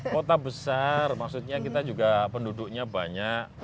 kota besar maksudnya kita juga penduduknya banyak